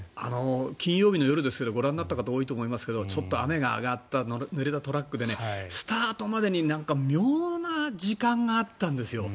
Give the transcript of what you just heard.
金曜日の夜ですけどご覧になった方多いと思いますけどちょっと雨が上がったぬれたトラックでスタートまでに妙な時間があったんですよ。